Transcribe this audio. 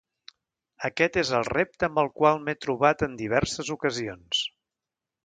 Aquest és el repte amb el qual m’he trobat en diverses ocasions.